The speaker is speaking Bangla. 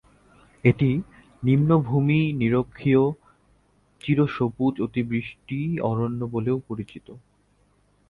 এটি "নিম্নভূমি নিরক্ষীয় চিরসবুজ অতিবৃষ্টি অরণ্য" বলেও পরিচিত।